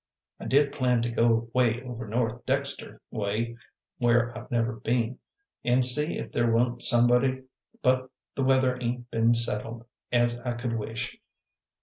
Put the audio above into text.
I did plan to go way over North Dexter way, where I've never be'n, an' see if there wa'n't somebody, but the weather ain't be'n settled as I could wish.